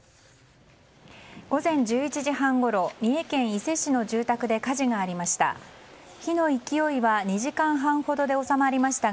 午前１１時半ごろ三重県伊勢市の住宅で火事がありました。